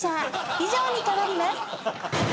以上に代わります。